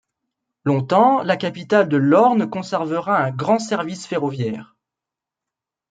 Longtemps la capitale de l’Orne conservera un grand service ferroviaire.